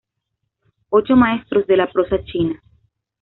Ocho maestros de la prosa china